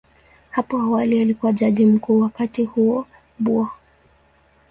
Hapo awali alikuwa Jaji Mkuu, wakati huo Bw.